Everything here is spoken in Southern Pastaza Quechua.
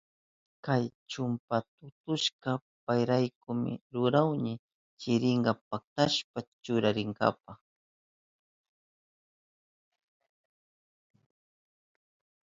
Kay chumpastutaka payraykumi rurahuni, chirika paktashpan churarinanpa.